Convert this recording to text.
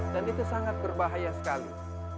dan itu sangat berbahaya sekali